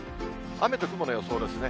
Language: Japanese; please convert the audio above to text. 雨と雲の予想ですね。